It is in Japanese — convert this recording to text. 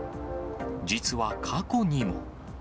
実は過去にも。